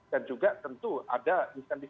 dan juga tentu ada misal